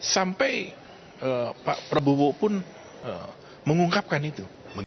sampai pak prabowo pun mengungkapkan itu